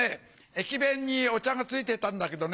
駅弁にお茶が付いてたんだけどね